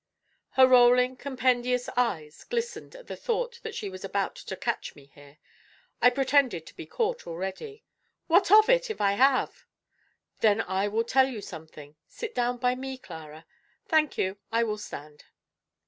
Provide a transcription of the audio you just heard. Her rolling compendious eyes glistened at the thought that she was about to catch me here. I pretended to be caught already. "What of it, if I have?" "Then I will tell you something. Sit down by me, Clara." "Thank you, I will stand."